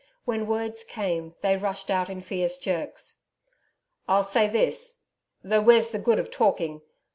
When words came they rushed out in fierce jerks. 'I'll say this though where's the good of talking....